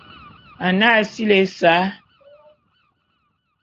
Anag sili ésa.